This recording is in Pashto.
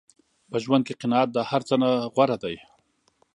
په ژوند کې قناعت د هر څه نه غوره دی.